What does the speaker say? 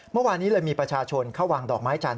เมื่อวานนี้เลยมีประชาชนเข้าวางดอกไม้จันท